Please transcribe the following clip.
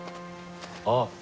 あっ。